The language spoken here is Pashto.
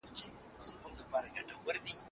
زغم د بریا لویه نښه ده.